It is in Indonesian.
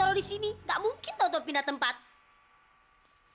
kalo disini gak mungkin toto pindah tempat